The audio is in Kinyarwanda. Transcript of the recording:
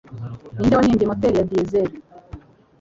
Ninde wahimbye moteri ya Diesel